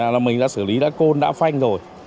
là mình đã xử lý đã côn đã phanh rồi